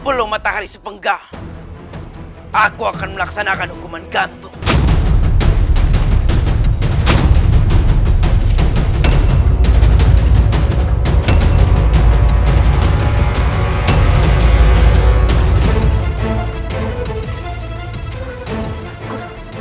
besok sebelum matahari sepenggang aku akan melaksanakan hukuman gantung